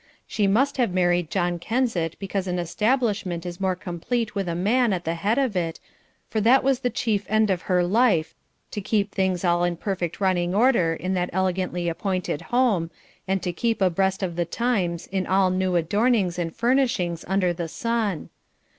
She must have married John Kensett because an establishment is more complete with a man at the head of it, for that was the chief end of her life to keep all things in perfect running order in that elegantly appointed home, and to keep abreast of the times in all new adornings and furnishings under the sun.